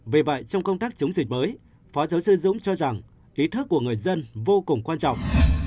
vì vậy trong công tác chống dịch mới phó giáo sư trân dũng cho rằng ý thức của người dân vô cùng quan trọng